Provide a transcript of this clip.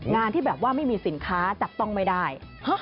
งานที่แบบว่าไม่มีสินค้าจับต้องไม่ได้